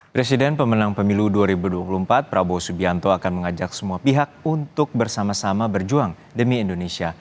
presiden pemenang pemilu dua ribu dua puluh empat prabowo subianto akan mengajak semua pihak untuk bersama sama berjuang demi indonesia